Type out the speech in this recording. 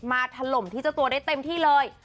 ถล่มที่เจ้าตัวได้เต็มที่เลย